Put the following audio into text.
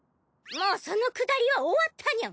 もうそのくだりは終わったニャン。